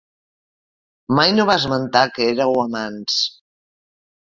Mai no va esmentar que éreu amants.